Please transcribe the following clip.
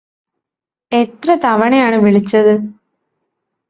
എത്രെ തവണയാണ് വിളിച്ചത്